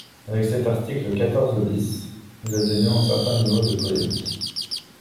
Avec cet article quatorze bis, nous atteignons un certain niveau de polémique.